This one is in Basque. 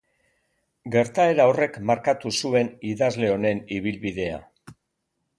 Gertaera horrek markatu zuen idazle honen ibilbidea.